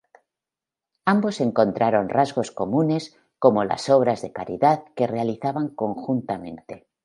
Ambos encontraron rasgos comunes, como las obras de caridad, que realizaban conjuntamente.